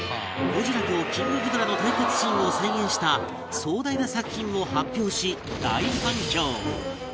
ゴジラとキングギドラの対決シーンを再現した壮大な作品を発表し大反響！